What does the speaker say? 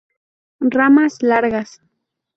Ramas largas.